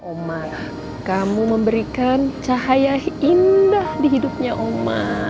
oma kamu memberikan cahaya indah di hidupnya oma